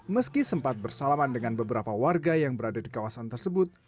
meski sempat bersalaman dengan beberapa warga yang berada di kawasan tersebut